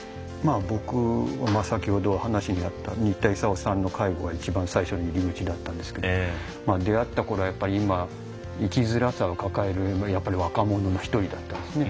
僕は、先ほど話にあった新田勲さんの介護が一番最初の入り口だったんですけど出会ったころは生きづらさを抱えるやっぱり若者の一人だったんですね。